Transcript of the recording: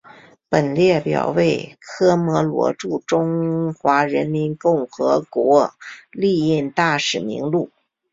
本列表为科摩罗驻中华人民共和国历任大使名录。